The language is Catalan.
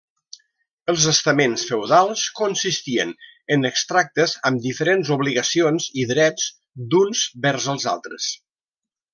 Els estaments feudals consistien en extractes amb diferents obligacions i drets d’uns vers els altres.